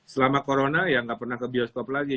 selama corona ya nggak pernah ke bioskop lagi